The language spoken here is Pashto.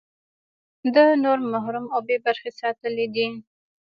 ده نور محروم او بې برخې ساتلي دي.